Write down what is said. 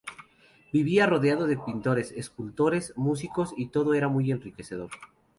Vivía rodeado de pintores, escultores, músicos y todo era muy enriquecedor.